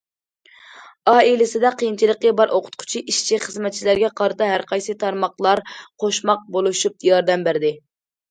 ئائىلىسىدە قىيىنچىلىقى بار ئوقۇتقۇچى، ئىشچى- خىزمەتچىلەرگە قارىتا، ھەر قايسى تارماقلار قوشماق بولۇشۇپ ياردەم بەردى.